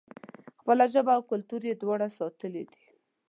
خپله ژبه او کلتور یې دواړه ساتلي دي.